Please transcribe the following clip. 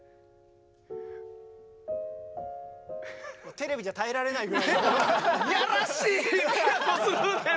テレビじゃ耐えられないぐらいの。